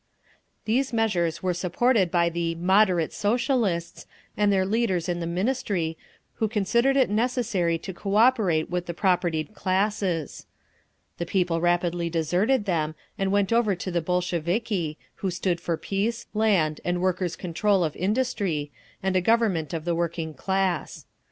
These measures were supported by the "moderate" Socialists and their leaders in the Ministry, who considered it necessary to cooperate with the propertied classes. The people rapidly deserted them, and went over to the Bolsheviki, who stood for Peace, Land, and Workers' Control of Industry, and a Government of the working class.